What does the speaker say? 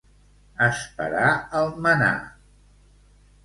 Esperar el mannà.